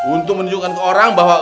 untuk menunjukkan ke orang bahwa